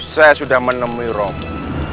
saya sudah menemui romo